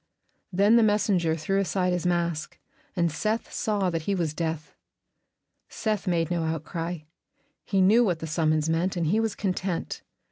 Then the messenger threw aside his mask, and Seth saw that he was Death. Seth made no outcry; he knew what the summons meant, and he was content.